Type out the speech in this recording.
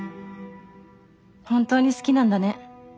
本当に好きなんだね。